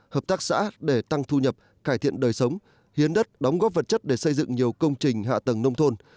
hợp tác xã để tăng thu nhập cải thiện đời sống hiến đất đóng góp vật chất để xây dựng nhiều công trình hạ tầng nông thôn